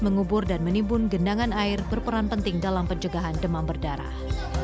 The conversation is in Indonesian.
mengubur dan menimbun gendangan air berperan penting dalam pencegahan demam berdarah